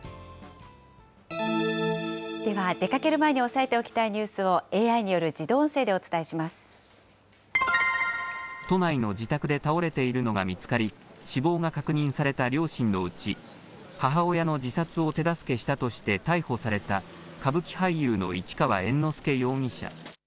では、出かける前に押さえておきたいニュースをＡＩによる自動音声でお都内の自宅で倒れているのが見つかり、死亡が確認された両親のうち、母親の自殺を手助けしたとして逮捕された歌舞伎俳優の市川猿之助容疑者。